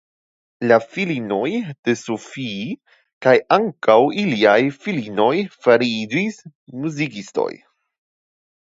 La filinoj de Sophie kaj ankaŭ iliaj filinoj fariĝis muzikistoj.